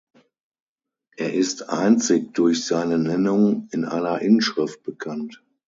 Er ist einzig durch seine Nennung in einer Inschrift bekannt.